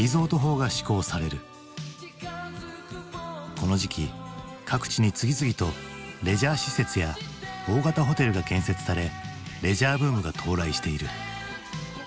この時期各地に次々とレジャー施設や大型ホテルが建設されレジャーブームが到来している。